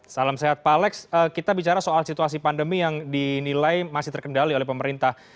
salam sehat pak alex kita bicara soal situasi pandemi yang dinilai masih terkendali oleh pemerintah